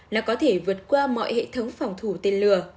là có thể vượt qua mọi hệ thống phòng thủ tên lửa